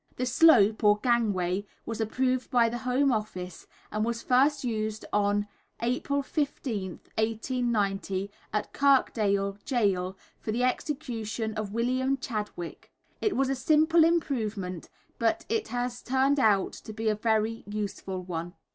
The slope, or gangway, was approved by the Home Office, and was first used on April 15th, 1890, at Kirkdale Gaol, for the execution of Wm. Chadwick. It was a simple improvement, but it has turned out to be a very useful one.